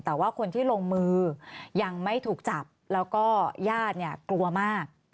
แต่ว่าคนที่ลงมือยังไม่ถูกจับแล้วก็ญาติเนี่ยกลัวมาก